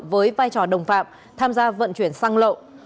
với vai trò đồng phạm tham gia vận chuyển xăng lậu